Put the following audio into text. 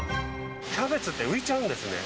キャベツって浮いちゃうんですね。